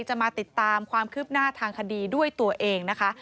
จะมาติดตามความคืบหน้าทางคดีด้วยตัวเองนะคะ